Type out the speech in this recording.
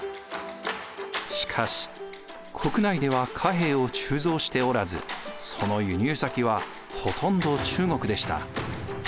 しかし国内では貨幣を鋳造しておらずその輸入先はほとんど中国でした。